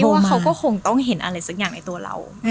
เพราะว่าเขาก็คงต้องเห็นอะไรสักอย่างในตัวเรา